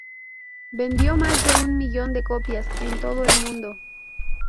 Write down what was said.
Vendió más de un millón de copias en todo el mundo.